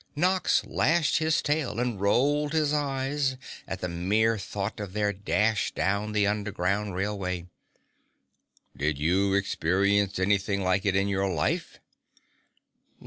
Nox lashed his tail and rolled his eyes at the mere thought of their dash down the underground railway. "Did you ever experience anything like it in your life?"